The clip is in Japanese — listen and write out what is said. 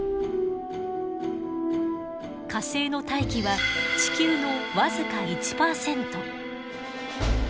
火星の大気は地球の僅か１％。